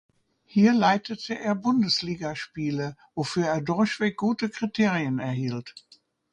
Hier leitete er Bundesliga-Spiele, wofür er durchweg gute Kriterien erhielt.